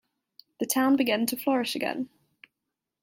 The town began to flourish again.